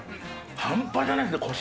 半端じゃないですね、こし。